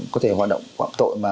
có thể hoạt động phạm tội mà